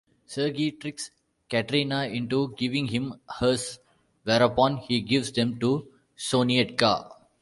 Sergei tricks Katerina into giving him hers, whereupon he gives them to Sonyetka.